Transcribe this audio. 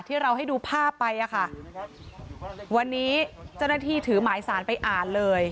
ที่เราให้ดูภาพไปอ่ะค่ะวันนี้เจ้าหน้าที่ถือหมายสารไปอ่านเลย